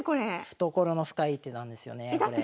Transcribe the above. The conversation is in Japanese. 懐の深い一手なんですよねこれ。